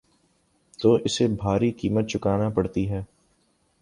تو اسے بھاری قیمت چکانا پڑتی ہے۔